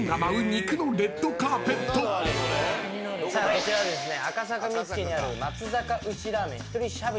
こちらはですね。